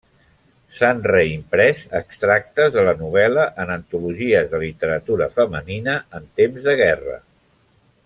S'han reimprès extractes de la novel·la en antologies de literatura femenina en temps de guerra.